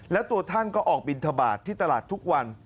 แล้วตัวท่านก็ออกบินทบาทที่ตลาดทุกวัน